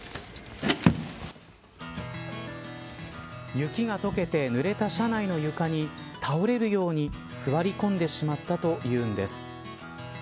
雪が解けてぬれた車内の床に倒れるように座り込んでしまったというんです。